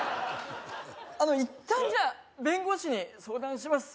あの一旦じゃあ弁護士に相談します